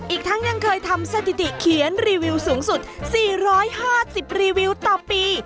อีกทั้งยังเคยทำสถิติเขียนรีวิวสูงสุด๔๕๐รีวิวต่อปี